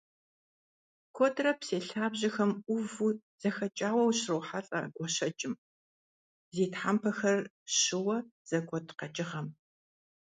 Куэдрэ псей лъабжьэхэм Ӏуву зэхэкӀауэ ущрохьэлӀэ гуащӀэкӀым - зи тхьэмпэхэр щыуэ зэгуэт къэкӀыгъэм.